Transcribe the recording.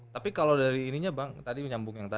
tapi kalau dari ininya bang tadi menyambung yang tadi